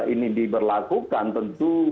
ini diberlakukan tentu